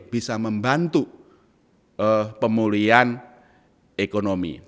bisa membantu pemulihan ekonomi